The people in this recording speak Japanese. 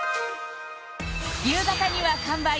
夕方には完売